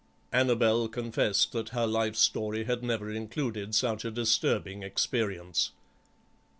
Annabel confessed that her life story had never included such a disturbing experience.